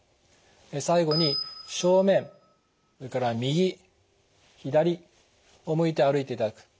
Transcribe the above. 最後に正面それから右左を向いて歩いていただく。